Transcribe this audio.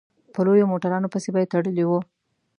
په لویو موټرانو پسې به يې تړلي وو.